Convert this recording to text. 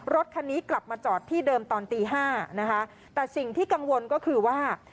รถคันนี้กลับมาจอดที่เดิมตอนตีห้านะคะแต่สิ่งที่กังวลก็คือว่า